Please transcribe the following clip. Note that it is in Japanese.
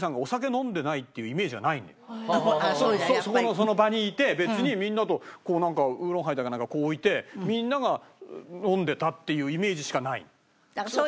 その場にいて別にみんなと烏龍ハイだかなんかこう置いてみんなが飲んでたっていうイメージしかない。